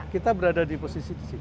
kita berada di posisi di sini